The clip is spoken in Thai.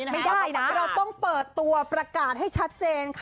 ไม่ได้นะเราต้องเปิดตัวประกาศให้ชัดเจนค่ะ